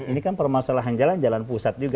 ini kan permasalahan jalan jalan pusat juga